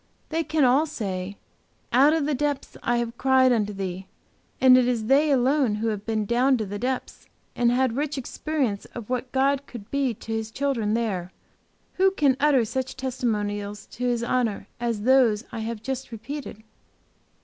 They can all say, 'Out of the depths have I cried unto Thee,' and it is they alone who have been down into the depths, and had rich experience of what God could be to His children there, who can utter such testimonials to His honor, as those I have just repeated."